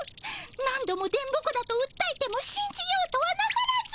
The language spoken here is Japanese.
何度も電ボ子だとうったえてもしんじようとはなさらず。